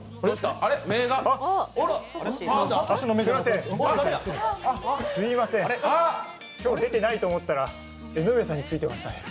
目がすみません、今日出ていないと思ったら江上さんについてましたね。